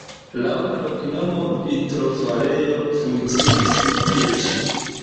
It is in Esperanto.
Laŭ la loknomo vitrofarejo funkciis tie ĉi.